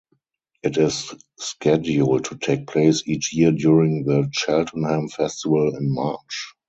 It is scheduled to take place each year during the Cheltenham Festival in March.